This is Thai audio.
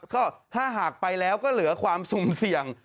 ก็ถ้าหากไปแล้วก็เหลือความสุ่มเสี่ยง